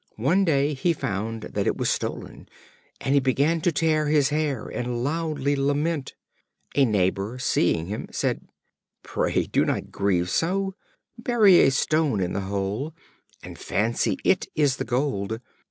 One day he found that it was stolen, and he began to tear his hair and loudly lament. A neighbor, seeing him, said: "Pray do not grieve so; bury a stone in the hole, and fancy it is the gold.